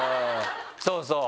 そうそう！